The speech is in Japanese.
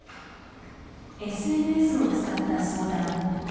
ＳＮＳを使った相談。